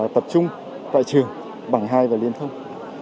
tại trường bảng hai và liên thông